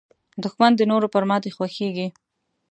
دښمن د نورو پر ماتې خوښېږي